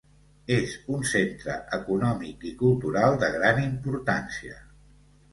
És un centre econòmic i cultural de gran importància.